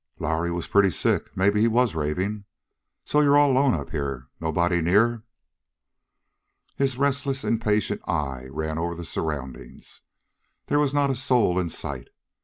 "Lowrie was pretty sick; maybe he was raving. So you're all along up here? Nobody near?" His restless, impatient eye ran over the surroundings. There was not a soul in sight.